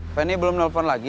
feni belum nelfon lagi